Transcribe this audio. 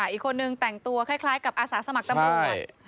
อีกคนนึงแต่งตัวคล้ายกับอาสาสมัครตำรวจ